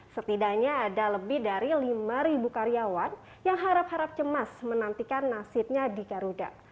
setidaknya ada lebih dari lima karyawan yang harap harap cemas menantikan nasibnya di garuda